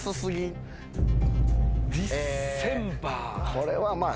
これはまぁ。